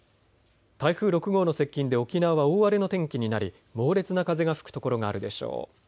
台風６号の接近で沖縄は大荒れの天気になり、猛烈な風が吹く所があるでしょう。